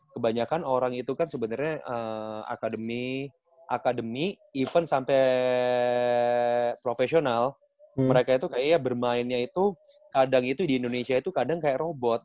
kebanyakan orang itu kan sebenarnya akademi event sampai profesional mereka itu kayaknya bermainnya itu kadang itu di indonesia itu kadang kayak robot